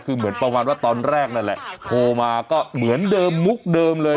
คือเหมือนประมาณว่าตอนแรกนั่นแหละโทรมาก็เหมือนเดิมมุกเดิมเลย